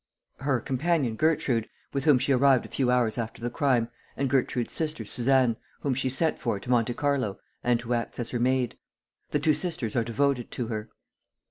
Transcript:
"Her companion, Gertrude, with whom she arrived a few hours after the crime, and Gertrude's sister Suzanne, whom she sent for to Monte Carlo and who acts as her maid. The two sisters are devoted to her."